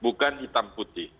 bukan hitam putih